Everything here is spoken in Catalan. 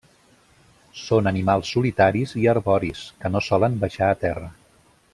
Són animals solitaris i arboris, que no solen baixar a terra.